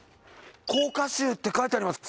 甲賀衆って書いてあります。